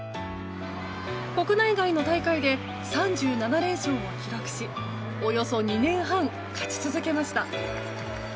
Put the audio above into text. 国内外の大会で３７連勝を記録しおよそ２年半、勝ち続けました。